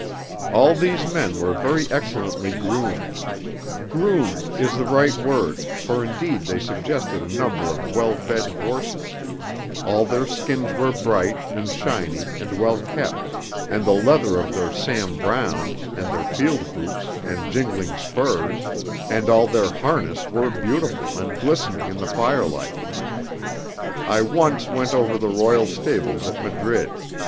All these men were very excellently groomed: 'groomed' is the right word, for indeed they suggested a number of well fed horses; all their skins were bright, and shiny, and well kept, and the leather of their Sam Brownes, and their field boots, and jingling spurs, and all their harness were beautiful and glistening in the firelight. I once went over the royal stables at Madrid.